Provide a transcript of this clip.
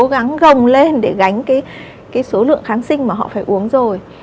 cố gắng gồng lên để gánh cái số lượng kháng sinh mà họ phải uống rồi